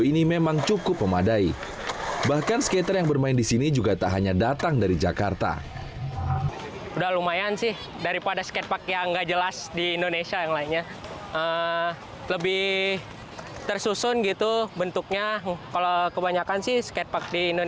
fijian fiji adalah sebuah kejuaraan di kalijodo